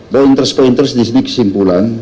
pointers pointers disini kesimpulan